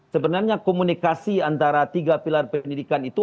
sebenarnya komunikasi antara tiga pilar pendidikan itu